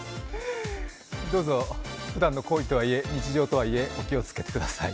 どうぞふだんの行為とはいえ、日常とはいえ気をつけてください。